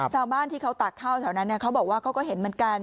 เจ้าบ้านที่เขาตัดเข้าแถวนั้นเขาบอกว่าก็เห็นเหมือนกัน